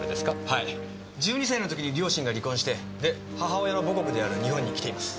はい１２歳の時に両親が離婚してで母親の母国である日本に来ています。